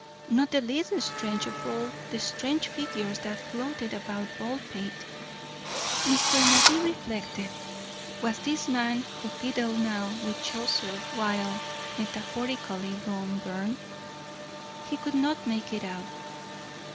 Not the least strange of all the strange figures that floated about Baldpate, Mr. Magee reflected, was this man who fiddled now with Chaucer while, metaphorically, Rome burned. He could not make it out.